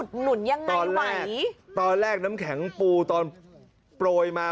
ตอนแรกน้ำแข็งปูตอนโปรยมา